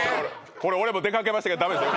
これ俺も出かけましたけどダメですよ